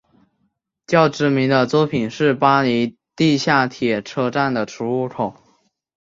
较知名的作品是巴黎地下铁车站的出入口。